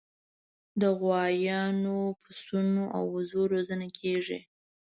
د غویانو، پسونو او وزو روزنه کیږي.